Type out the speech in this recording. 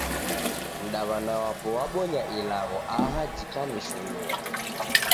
Mdaw'ana wapo wabonya ilagho aha jikanishinua!